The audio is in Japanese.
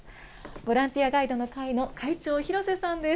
ボランティアガイドの会の会長、廣瀬さんです。